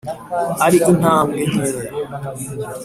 ari intambwe nkeya.